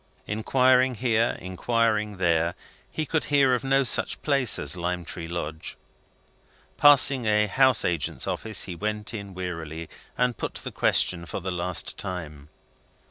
Inquiring here, inquiring there, he could hear of no such place as Lime Tree Lodge. Passing a house agent's office, he went in wearily, and put the question for the last time.